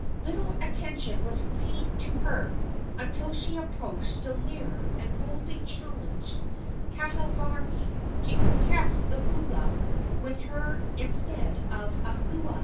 Little attention was paid to her until she approached still nearer and boldly challenged Kahavari to contest the holua with her instead of Ahua.